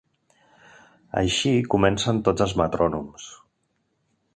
Així comencen tots els metrònoms.